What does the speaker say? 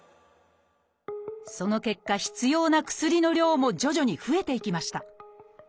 その結果必要な薬の量も徐々に増えていきました。